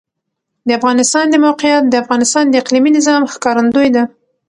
د افغانستان د موقعیت د افغانستان د اقلیمي نظام ښکارندوی ده.